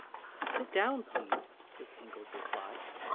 "Sit down, please," was Twinkle's reply.